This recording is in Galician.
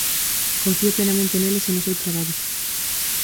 Confío plenamente neles e no seu traballo.